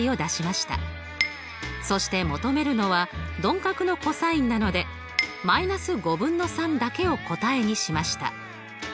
そして求めるのは鈍角のｃｏｓなので−５分の３だけを答えにしました。